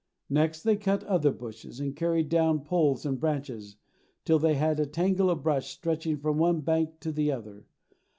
Next they cut other bushes, and carried down poles and branches, till they had a tangle of brush stretching from one bank to the other.